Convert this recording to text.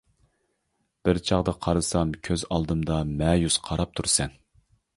بىر چاغدا قارىسام كۆز ئالدىمدا مەيۈس قاراپ تۇرىسەن.